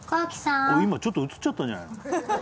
今ちょっと映っちゃったんじゃないの？